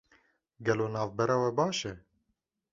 Gelo navbera we baş e?